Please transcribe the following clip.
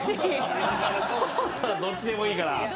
どっちでもいいから。